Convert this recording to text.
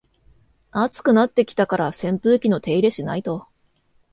暑くなってきたから扇風機の手入れしないと